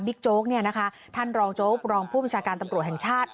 โจ๊กเนี่ยนะคะท่านรองโจ๊กรองผู้บัญชาการตำรวจแห่งชาติ